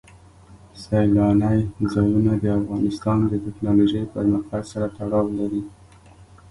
سیلانی ځایونه د افغانستان د تکنالوژۍ پرمختګ سره تړاو لري.